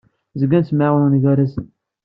Zgan ttemɛawanen gar-asen.